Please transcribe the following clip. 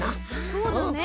そうだね。